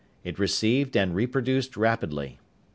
It received and reproduced rapidly.